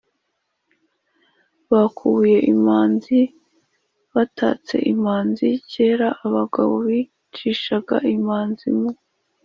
bakubuye imanzi: batatse imanzi, kera abagabo bicishaga imanzi mu